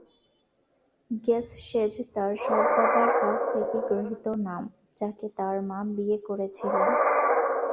গেসসেজ তার সৎ বাবার কাছ থেকে গৃহীত নাম, যাকে তার মা বিয়ে করেছিলেন।